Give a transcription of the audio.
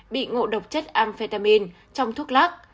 bị ngộ độc chất amphetamine trong thuốc lắc